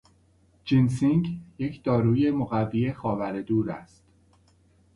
جینسنگ یک داروی مقوی خاور دور است.